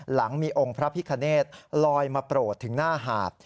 หลังมีองค์พระพิคเนธลอยมาโปรดถึงหน้าหาด